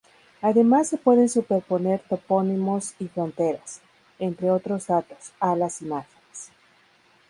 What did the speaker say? Además se pueden superponer topónimos y fronteras, entre otros datos, a las imágenes.